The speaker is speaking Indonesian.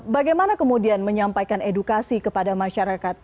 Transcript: bagaimana kemudian menyampaikan edukasi kepada masyarakat